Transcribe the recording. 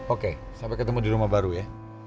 oke sampai ketemu di rumah baru ya